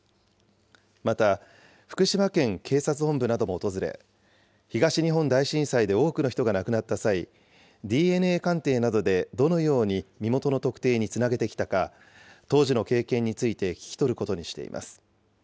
また、福島県警察本部なども訪れ、東日本大震災で多くの人が亡くなった際、ＤＮＡ鑑定などでどのように身元の特定につなげてきたか、当時の経験について聴き取ることにしています。